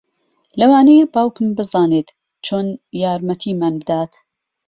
لەوانەیە باوکم بزانێت چۆن یارمەتیمان بدات